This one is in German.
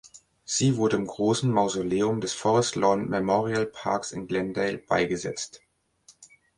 Sie wurde im Großen Mausoleum des Forest Lawn Memorial Parks in Glendale beigesetzt.